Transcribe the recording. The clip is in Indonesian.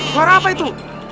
suara apa itu